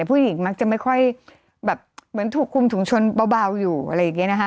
ผู้หญิงมักจะไม่ค่อยแบบเหมือนถูกคุมถุงชนเบาอยู่อะไรอย่างนี้นะคะ